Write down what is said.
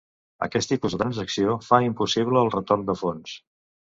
Aquest tipus de transacció fa impossible el retorn de fons.